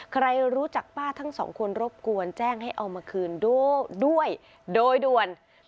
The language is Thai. ใครรู้จักป้าทั้งสองคนรบกวนแจ้งให้เอามาคืนด้วยโดยด่วน